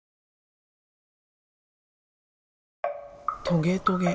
トゲトゲ。